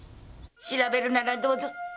調べるならどうぞ。